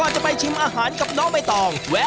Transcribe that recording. เดี๋ยวเตรียมเอาอันนี้ใส่